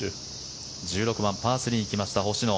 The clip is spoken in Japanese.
１６番、パー３に来ました星野。